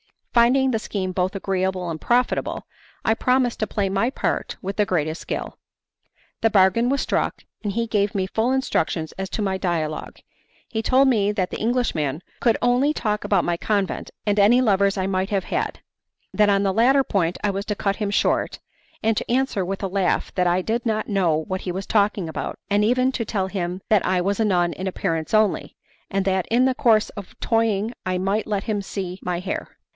Finding the scheme both agreeable and profitable, I promised to play my part with the greatest skill. The bargain was struck, and he gave me full instructions as to my dialogue. He told me that the Englishman could only talk about my convent and any lovers I might have had; that on the latter point I was to cut him short, and to answer with a laugh that I did not know what he was talking about, and even to tell him that I was a nun in appearance only, and that in the course of toying I might let him see my hair.